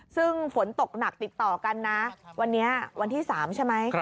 ซึ่งฝนตกหนักติดต่อกันนะวันนี้วันที่๓ใช่ไหม